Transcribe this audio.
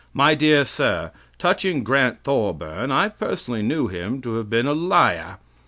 My dear Sir: Touching Grant Thorburn, I personally knew him to have been a liar.